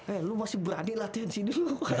eh lu masih berani latihan sini